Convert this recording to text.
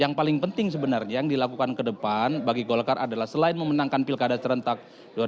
yang paling penting sebenarnya yang dilakukan ke depan bagi golkar adalah selain memenangkan pilkada serentak dua ribu dua puluh dua ribu dua puluh dua